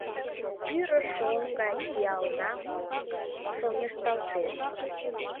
Пӱрӧ шоҥ гай пиална шоҥешталтеш.